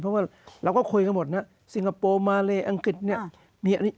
เพราะว่าเราก็คุยกันหมดนะสิงคโปร์มาเลอังกฤษเนี่ย